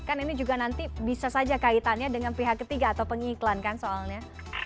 kan ini juga nanti bisa saja kaitannya dengan pihak ketiga atau pengiklan kan soalnya